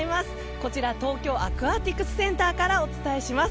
こちら東京アクアティクスセンターからお伝えします。